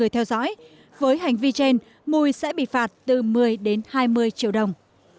vì không có tài khoản facebook mùi sẽ bị phạt từ một mươi đến hai mươi triệu đồng